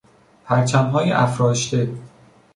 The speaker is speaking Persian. پرچمهای افراشته